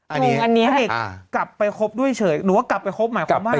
อันนี้พระเอกกลับไปคบด้วยเฉยหรือว่ากลับไปคบหมายความว่า